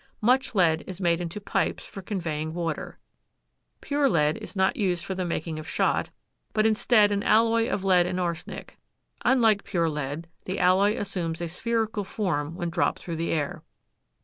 Much lead is made into pipes for conveying water. Pure lead is not used for the making of shot, but instead an alloy of lead and arsenic. Unlike pure lead, the alloy assumes a spherical form when dropped through the air.